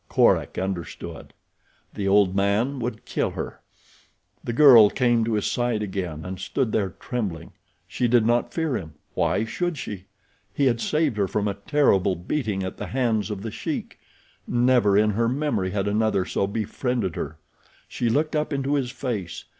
Korak understood. The old man would kill her. The girl came to his side again and stood there trembling. She did not fear him. Why should she? He had saved her from a terrible beating at the hands of The Sheik. Never, in her memory, had another so befriended her. She looked up into his face.